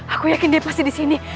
aku yakin dia pasti di sini